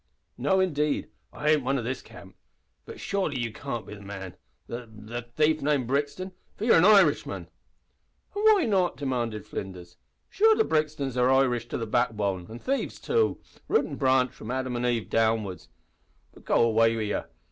"No indeed, I ain't one o' this camp. But surely you can't be the man the the thief named Brixton, for you're an Irishman." "An' why not?" demanded Flinders. "Sure the Brixtons are Irish to the backbone an' thieves too root an' branch from Adam an' Eve downwards. But go away wid ye.